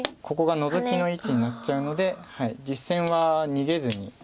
ここがノゾキの位置になっちゃうので実戦は逃げずに。